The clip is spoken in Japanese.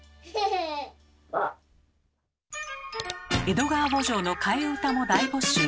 「江戸川慕情」の替え歌も大募集。